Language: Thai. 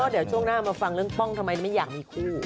เดี๋ยวช่วงหน้ามาฟังเรื่องป้องทำไมไม่อยากมีคู่